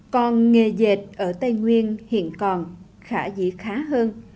còn nghề dệt ở tây nguyên hiện còn khả dĩ khá hơn